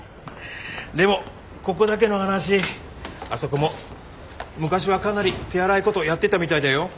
でもここだけの話あそこも昔はかなり手荒いことやってたみたいだよ。